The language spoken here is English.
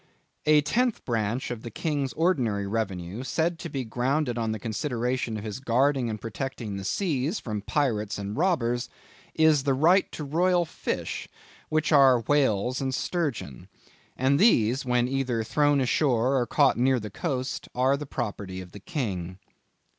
"A tenth branch of the king's ordinary revenue, said to be grounded on the consideration of his guarding and protecting the seas from pirates and robbers, is the right to royal fish, which are whale and sturgeon. And these, when either thrown ashore or caught near the coast, are the property of the king."